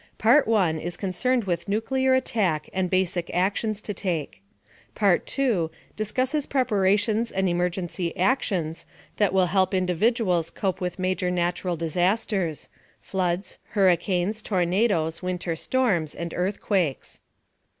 Part I (pages 3 68) is concerned with nuclear attack and basic actions to take. Part II (pages 69 86) discusses preparations and emergency actions that will help individuals cope with major natural disasters floods, hurricanes, tornadoes, winter storms, and earthquakes.